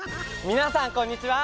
みなさんこんにちは。